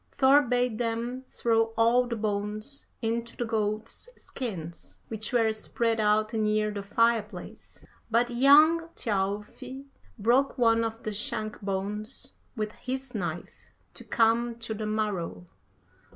Thor bade them throw all the bones into the goats' skins which were spread out near the fire place, but young Thjalfi broke one of the shank bones with his knife to come to the marrow.